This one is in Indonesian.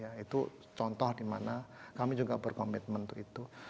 ya itu contoh dimana kami juga berkomitmen untuk itu